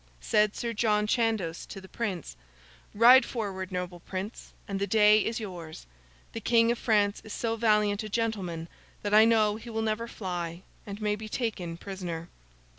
Said Sir John Chandos to the Prince, 'Ride forward, noble Prince, and the day is yours. The King of France is so valiant a gentleman, that I know he will never fly, and may be taken prisoner.